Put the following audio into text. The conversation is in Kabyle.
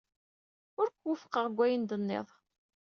Ur k-wufqeɣ deg wayen d-tenniḍ.